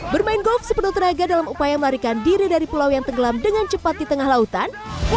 bermain golf sepenuh tenaga dalam upaya melarikan diri dari pulau yang tenggelam dengan cepat di tengah lautan